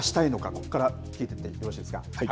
ここから聞いてみてよろしいですか。